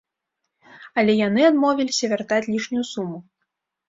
Але яны адмовіліся вяртаць лішнюю суму.